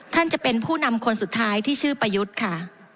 ท่านจะเป็นผู้นำคนสุดท้ายที่ชื่อประยุทธ์ค่ะ